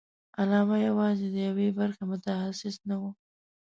علامه یوازې د یوې برخې متخصص نه وي.